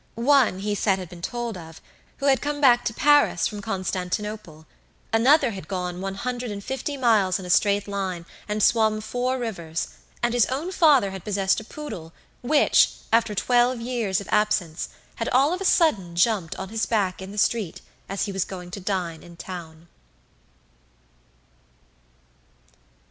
One, he said had been told of, who had come back to Paris from Constantinople. Another had gone one hundred and fifty miles in a straight line, and swum four rivers; and his own father had possessed a poodle, which, after twelve years of absence, had all of a sudden jumped on his back in the street as he was going to dine in town.